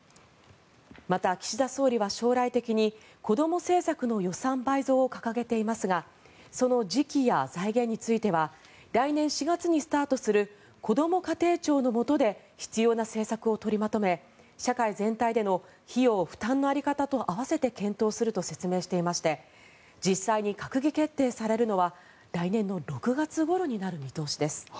また岸田総理は将来的にこども政策の予算倍増を掲げていますがその時期や財源については来年４月にスタートするこども家庭庁のもとで必要な政策を取りまとめ社会全体での費用負担の在り方と合わせて検討すると説明していまして実際に閣議決定されるのは来年の６月ごろになる見通しです。